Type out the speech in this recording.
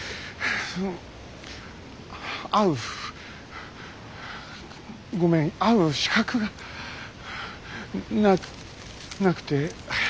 会うごめん会う資格がななくて。